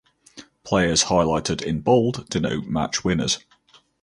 Players highlighted in bold denote match winners.